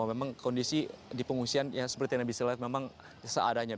memang kondisi di pengungsian yang seperti yang anda bisa lihat memang seadanya